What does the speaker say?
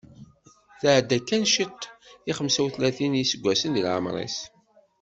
Tɛedda kan ciṭ i xemsa utlatin n yiseggasen di leɛmer-is.